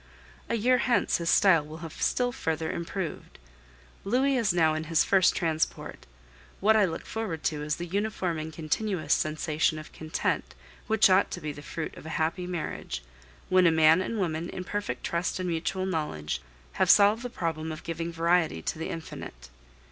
A year hence his style will have still further improved. Louis is now in his first transport; what I look forward to is the uniform and continuous sensation of content which ought to be the fruit of a happy marriage, when a man and woman, in perfect trust and mutual knowledge, have solved the problem of giving variety to the infinite.